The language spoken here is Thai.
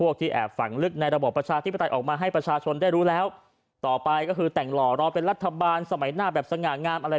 แบบนี้นะฮะคนก็คอมเมนต์กันเยอะนะครับ